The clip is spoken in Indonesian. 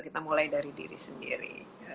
kita mulai dari diri sendiri